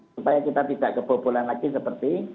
supaya kita tidak kebobolan lagi seperti